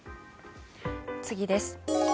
次です。